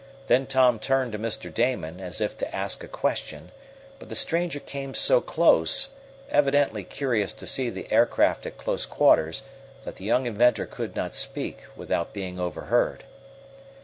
Then Tom turned to Mr. Damon, as if to ask a question, but the stranger came so close, evidently curious to see the aircraft at close quarters, that the young inventor could not speak without being overheard.